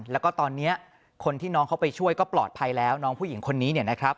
แล้วตอนนี้คนที่น้องเขาไปช่วยก็ปลอดภัยแล้วเดี๋ยวน้องผู้หญิงคนนี้